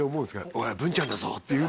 「おい文ちゃんだぞ」って言う？